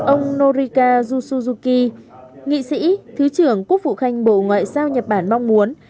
ông norika jusuzuki nghị sĩ thứ trưởng quốc phụ khanh bộ ngoại giao nhật bản mong muốn